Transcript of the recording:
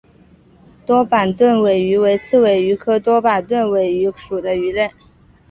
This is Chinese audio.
多板盾尾鱼为刺尾鱼科多板盾尾鱼属的鱼类。